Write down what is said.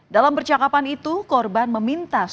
dalam percakapan itu korban meminta supir taksi